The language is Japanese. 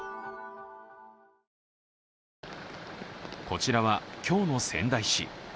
こちらは今日の仙台市。